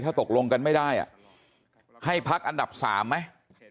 ถ้าตกลงกันไม่ได้ให้พักอันดับ๓ไหม